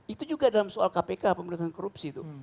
itu juga dalam soal kpk pemerintahan korupsi itu